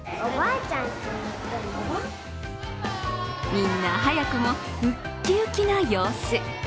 みんな、早くもウッキウキな様子。